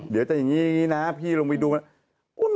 เดี๋ยวแบบนี้พี่ลงไปดู